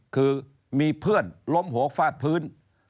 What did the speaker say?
คือมีเพื่อนล้มหัวฟาดพื้น